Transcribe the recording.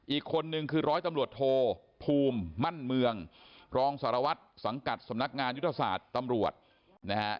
อีกคนนึงคือร้อยตำรวจโทภูมิมั่นเมืองรองสารวัตรสังกัดสำนักงานยุทธศาสตร์ตำรวจนะฮะ